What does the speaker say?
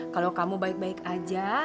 kalau kamu baik baik aja